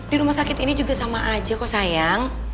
di rumah sakit ini juga sama aja kok sayang